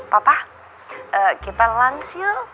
papa kita lunch yuk